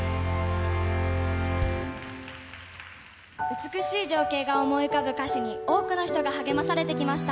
美しい情景が思い浮かぶ歌詞に、多くの人が励まされてきました。